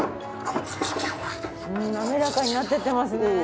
滑らかになっていってますね。